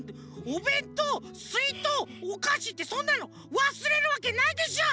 おべんとうすいとうおかしってそんなのわすれるわけないでしょ！